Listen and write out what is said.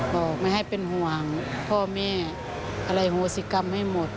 บอกไม่ให้เป็นห่วงพ่อแม่อะไรโหสิกรรมให้หมด